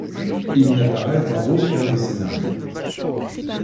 Il n'apparaît dans aucun des scénarios.